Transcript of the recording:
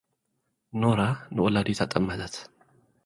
ኖራ ንወላዲታ ጠመተት።